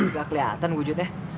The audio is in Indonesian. gak keliatan wujudnya